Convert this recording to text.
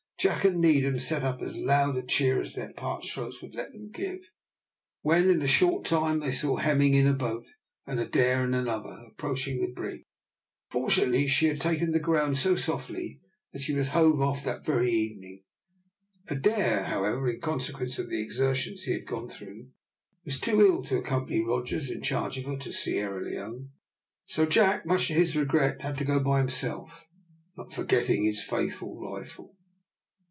Jack and Needham set up as loud a cheer as their parched throats would let them give, when, in a short time, they saw Hemming in a boat and Adair in another, approaching the brig. Fortunately she had taken the ground so softly that she was hove off that very evening. Adair, however, in consequence of the exertions he had gone through, was too ill to accompany Rogers in charge of her to Sierra Leone; and so Jack, much to his regret, had to go by himself, not forgetting his faithful rifle.